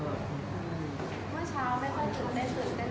เมื่อเช้าไม่ค่อยได้สุดใจตื่นเต้น